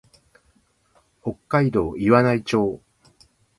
北海道岩内町